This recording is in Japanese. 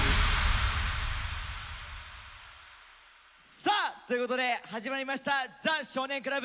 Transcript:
さあということで始まりました「ザ少年倶楽部」。